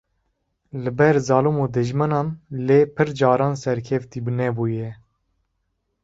li ber zalim û dijminan lê pir caran serkeftî nebûye.